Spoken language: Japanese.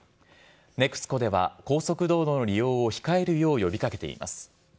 ＮＥＸＣＯでは高速道路の利用を控えるよう呼びかけています。